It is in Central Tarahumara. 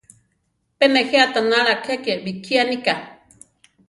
Pe nejé aʼtanála keke bikiánika.